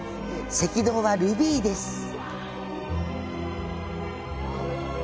赤道はルビーです。